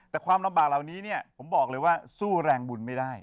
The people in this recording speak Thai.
แต่ความลำบากเหล่านี้เนี่ยผมบอกเลยว่าสู้แรงบุญไม่ได้